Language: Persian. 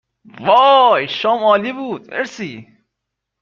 وای شام عالی بود مرسی